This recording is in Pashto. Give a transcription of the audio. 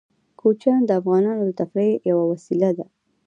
کوچیان د افغانانو د تفریح یوه وسیله ده.